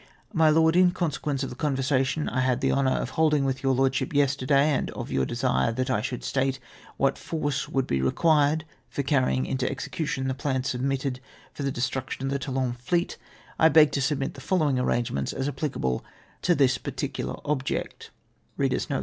"My Lokd, — In consequence of the conversation I liad the honour of holding with your Lordship yesterday, and of your desire that I should state what force would be required for carrying into execution the phxn submitted for the de struction of the Tovilon fleet, 1 beg to submit the following arrangements as applicable to this jjarticidar object* " One seventy four.